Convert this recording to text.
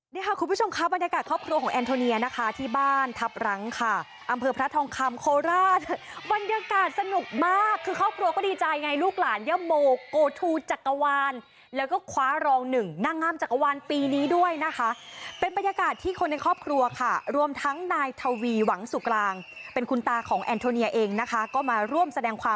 นี่ค่ะคุณผู้ชมค่ะบรรยากาศครอบครัวของแอนโทเนียนะคะที่บ้านทัพรังค่ะอำเภอพระทองคำโคราชบรรยากาศสนุกมากคือครอบครัวก็ดีใจไงลูกหลานยะโมโกทูจักรวาลแล้วก็คว้ารองหนึ่งนางงามจักรวาลปีนี้ด้วยนะคะเป็นบรรยากาศที่คนในครอบครัวค่ะรวมทั้งนายทวีหวังสุกลางเป็นคุณตาของแอนโทเนียเองนะคะก็มาร่วมแสดงความ